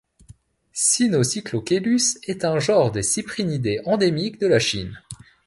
Sinocyclocheilus est un genre de cyprinidés endémiques de la Chine.